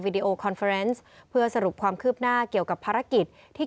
ดีโอคอนเฟอร์เนสเพื่อสรุปความคืบหน้าเกี่ยวกับภารกิจที่